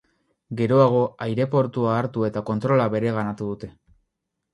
Geroago aireportua hartu eta kontrola bereganatu dute.